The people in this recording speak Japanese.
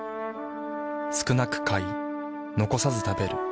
少なく買い残さず食べる。